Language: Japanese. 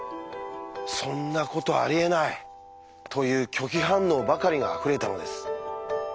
「そんなことありえない！」という拒否反応ばかりがあふれたのです。